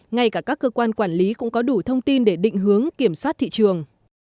ngay cả các cơ quan quản lý cũng có đủ thông tin để định hướng kiểm soát thị trường